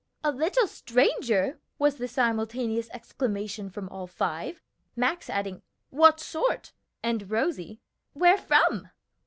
"A little stranger!" was the simultaneous exclamation from all five, Max adding, "What sort?" and Rosie, "Where from?"